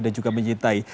dan juga mencintai